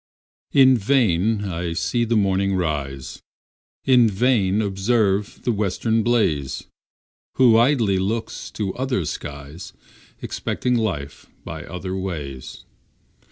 In vain I see the morning rise, In vain observe the western blaze, Who idly look to other skies, Expecting life by other ways.